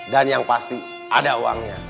dan yang pasti ada uangnya